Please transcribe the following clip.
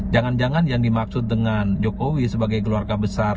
jangan jangan yang dimaksud dengan jokowi sebagai keluarga besar